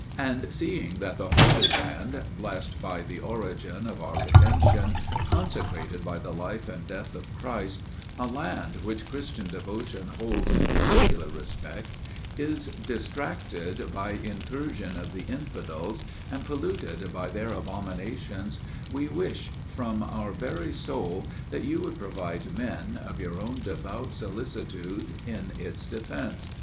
And seeing that the Holy Land, blest by the origin of our redemption, consecrated by the life and death of Christ, a land which Christian devotion holds in particular respect, is distracted by incursions of the infidels, and polluted by their abominations, we wish from our very soul that you would provide men, of your own devout solicitude, in its defence.